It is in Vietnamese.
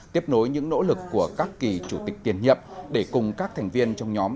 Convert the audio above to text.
tiếp nối những nỗ lực của các kỳ chủ tịch tiền nhậm để cùng các thành viên trong nhóm